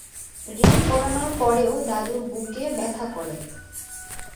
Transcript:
Ring পরানোর পরেও দাদুর বুকে ব্যথা করে।